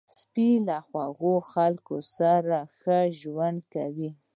سپي له خوږو خلکو سره ښه ژوند کوي.